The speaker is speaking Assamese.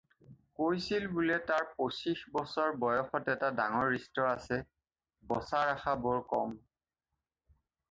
কৈছিল বোলে তাৰ পাঁচিশ বছৰ বয়সত এটা ডাঙৰ ৰিষ্ট আছে, বঁচাৰ আশা বৰ কম।